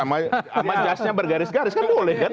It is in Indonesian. sama jasnya bergaris garis kan boleh kan